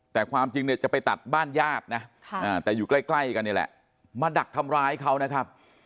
แต่ความจริงเนี่ยจะไปตัดบ้านญาตินะแต่อยู่ใกล้กันนี่แหละมาดักทำร้ายเขานะครับ